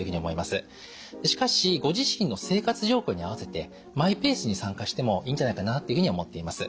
しかしご自身の生活状況に合わせてマイペースに参加してもいいんじゃないかなっていうふうに思っています。